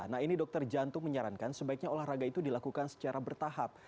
nah ini dokter jantung menyarankan sebaiknya olahraga itu dilakukan secara bertahap